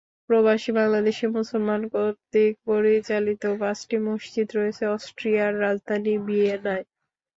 প্রবাসী বাংলাদেশি মুসলমান কর্তৃক পরিচালিত পাঁচটি মসজিদ রয়েছে অস্ট্রিয়ার রাজধানী ভিয়েনায়।